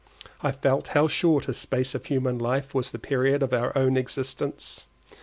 I felt how short a space of human life was the period of our own existence.